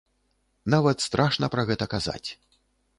Нават страшна пра гэта казаць.